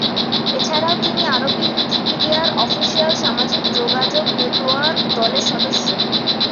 এছাড়াও, তিনি আরবি উইকিপিডিয়ার অফিসিয়াল সামাজিক যোগাযোগ নেটওয়ার্ক দলের সদস্য।